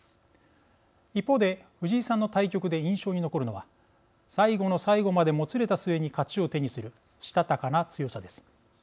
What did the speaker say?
一方で藤井さんの対局で印象に残るのは最後の最後までもつれた末に勝ちを手にするしたたかな強さです。